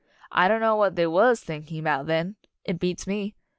I don't know what they was thinking 'bout then it beats me!